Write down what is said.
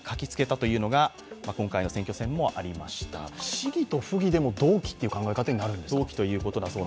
市議と府議でも同期という考え方になるんですか。